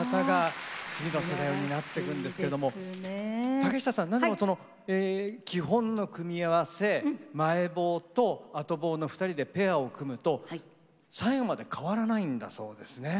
竹下さん基本の組み合わせ前棒と後棒の２人でペアを組むと最後まで変わらないんだそうですね。